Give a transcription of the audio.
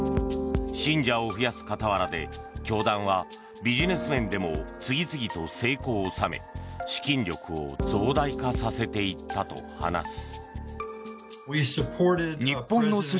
信者を増やす傍らで教団はビジネス面でも次々と成功を収め、資金力を増大化させていったと話す。